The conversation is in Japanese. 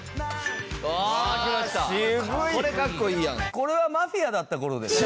これはマフィアだった頃ですね。